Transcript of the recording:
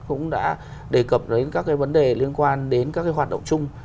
cũng đã đề cập đến các cái vấn đề liên quan đến các cái hoạt động chung